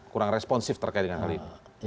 kurang responsif terkait dengan hal ini